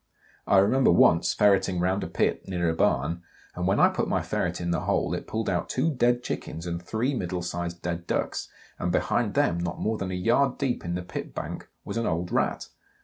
I remember once ferreting round a pit, near a barn, and when I put my ferret in the hole, it pulled out two dead chickens and three middle sized dead ducks, and behind them, not more than a yard deep in the pit bank, was an old Rat.